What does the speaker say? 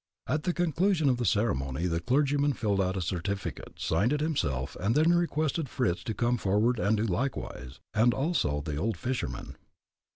At the conclusion of the ceremony the clergyman filled out a certificate, signed it himself, and then requested Fritz to come forward and do likewise, and also the old fisherman.